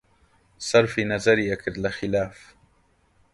سەرفی نەزەری ئەکرد لە خیلاف